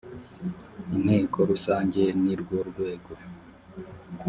inteko rusangeni rwo rwego